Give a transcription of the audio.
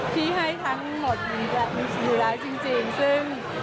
พี่ให้ทั้งหมดมีแบบมีสุดยอดจริง